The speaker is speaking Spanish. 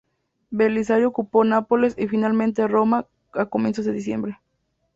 Belisario ocupó Nápoles y finalmente Roma a comienzos de diciembre.